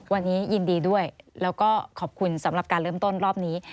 วันนี้ยินดีด้วยแล้วก็ขอบคุณสำหรับการเริ่มต้นรอบนี้